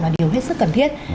là điều hết sức cần thiết